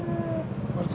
pasti kayak bunga itu